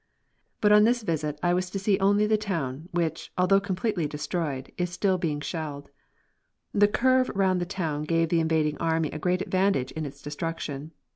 But on this visit I was to see only the town, which, although completely destroyed, was still being shelled. The curve round the town gave the invading army a great advantage in its destruction.